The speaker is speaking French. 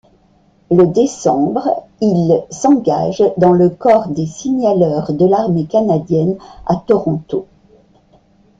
Le décembre, il s’engage dans le corps des signaleurs de l’armée canadienne, à Toronto.